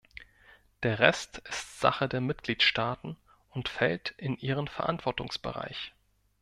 Der Rest ist Sache der Mitgliedstaaten und fällt in ihren Verantwortungsbereich.